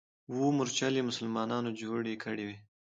اوه مورچلې مسلمانانو جوړې کړې وې.